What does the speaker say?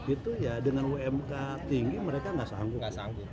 itu ya dengan umk tinggi mereka nggak sanggup